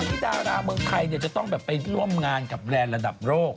วันนี้ดาราเมืองไทยจะต้องแบบไปร่วมงานกับแบรนด์ระดับโลก